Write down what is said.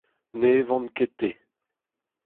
Ne evan ket te.